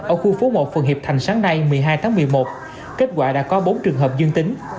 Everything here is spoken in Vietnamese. ở khu phố một phường hiệp thành sáng nay một mươi hai tháng một mươi một kết quả đã có bốn trường hợp dương tính